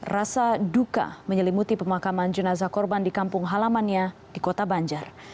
rasa duka menyelimuti pemakaman jenazah korban di kampung halamannya di kota banjar